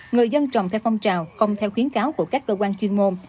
người dân trồng theo phong trào không theo khuyến cáo của các cơ quan chuyên môn